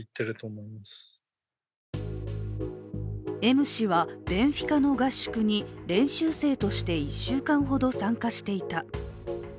Ｍ氏はベンフィカの合宿に練習生として１週間ほど参加していた。